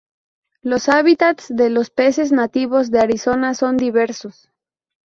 Los hábitats de los peces nativos de Arizona son diversos.